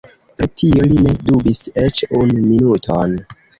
Pri tio li ne dubis eĉ unu minuton.